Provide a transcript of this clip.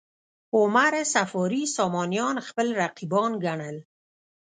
عمر صفاري سامانیان خپل رقیبان ګڼل.